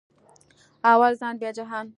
اول ځان بیا جهان